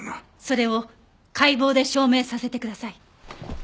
それを解剖で証明させてください。